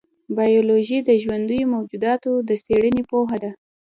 بایولوژي د ژوندیو موجوداتو د څېړنې پوهه ده.